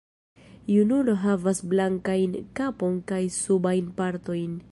Junulo havas blankajn kapon kaj subajn partojn.